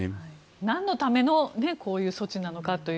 なんのためのこういう措置なのかという。